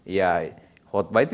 ya khutbah itu